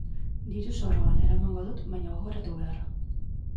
Diru-zorroan eramango dut baina gogoratu behar.